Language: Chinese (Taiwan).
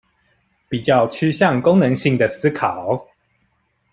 比較趨向功能性的思考